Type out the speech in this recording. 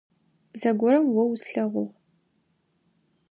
Зэгорэм о услъэгъугъ.